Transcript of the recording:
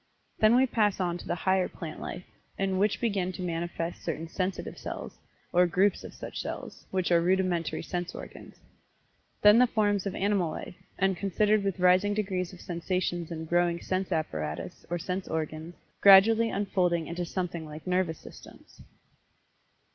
Then we pass on to the higher plant life, in which begin to manifest certain "sensitive cells," or groups of such cells, which are rudimentary sense organs. Then the forms of animal life, and considered with rising degrees of sensations and growing sense apparatus, or sense organs, gradually unfolding into something like nervous systems.